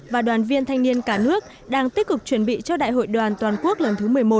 và đoàn viên thanh niên cả nước đang tích cực chuẩn bị cho đại hội đoàn toàn quốc lần thứ một mươi một